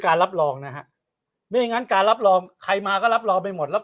รับรองนะฮะไม่อย่างนั้นการรับรองใครมาก็รับรองไปหมดแล้ว